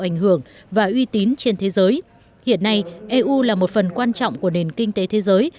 ảnh hưởng và uy tín trên thế giới hiện nay eu là một phần quan trọng của nền kinh tế thế giới